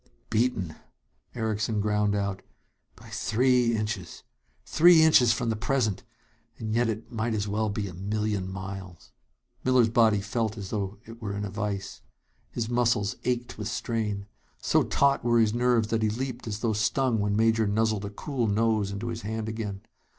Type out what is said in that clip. "Beaten!" Erickson ground out. "By three inches! Three inches from the present ... and yet it might as well be a million miles!" Miller's body felt as though it were in a vise. His muscles ached with strain. So taut were his nerves that he leaped as though stung when Major nuzzled a cool nose into his hand again.